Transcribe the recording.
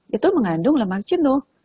itu mengandung lemak jenuh